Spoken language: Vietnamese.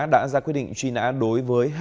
đã ra quyết định truy nã đối với